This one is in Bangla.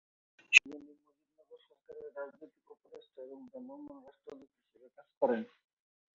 শুরুতে তিনি মুজিবনগর সরকারের রাজনৈতিক উপদেষ্টা এবং ভ্রাম্যমান রাষ্ট্রদূত হিসেবে কাজ করেন।